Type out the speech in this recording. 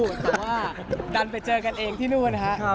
แต่ว่าดันไปเจอกันเองที่นู่นนะครับ